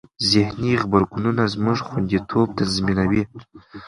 ذهني غبرګونونه زموږ خوندیتوب تضمینوي.